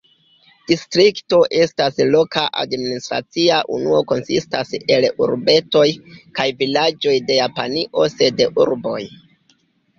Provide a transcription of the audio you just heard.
Distrikto estas loka administracia unuo konsistas el urbetoj kaj vilaĝoj de Japanio sed urboj.